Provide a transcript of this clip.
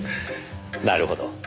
なるほど。